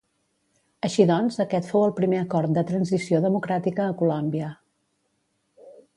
Així doncs aquest fou el primer acord de transició democràtica a Colòmbia.